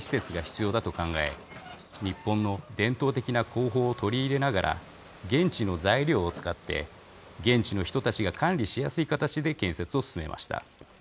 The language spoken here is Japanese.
日本の伝統的な工法を取り入れながら現地の材料を使って現地の人たちが管理しやすい形で建設を進めました。